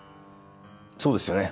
そうですよね。